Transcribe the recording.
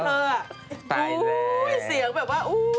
โอ้โฮเสียงแบบว่าสุร